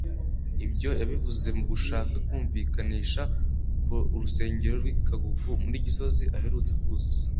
Ibyo yabivuze mu gushaka kumvikanisha ko urusengero rw’i Kagugu muri Gisozi aherutse kuzuza